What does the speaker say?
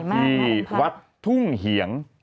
ที่วัดทุ่งเหียง